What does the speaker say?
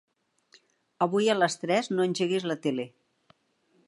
Avui a les tres no engeguis la tele.